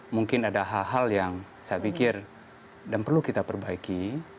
mungkin ada hal hal yang saya pikir dan perlu kita perbaiki